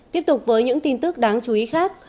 tiếp tục với những tin tức đáng chú ý khác